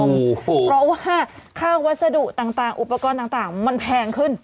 เพราะว่าค่าวัสดุต่างอุปกรณ์ต่างมันแพงขึ้น